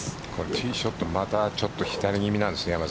ティーショットまた左気味なんですね